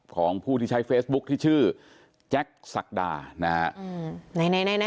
ของผู้ที่ใช้เฟซบุ๊คที่ชื่อแจ็คสักดานะฮะอืมไหนไหนไหน